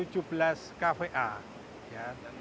lebih besar sebenarnya tujuh belas kva